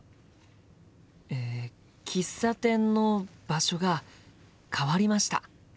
え喫茶店の場所が変わりました。